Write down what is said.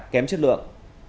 kém chất lượng